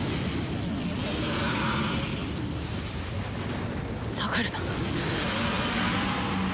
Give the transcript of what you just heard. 心の声「さがるな」。